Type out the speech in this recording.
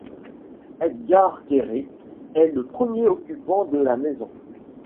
Etgar Keret est le premier occupant de la maison.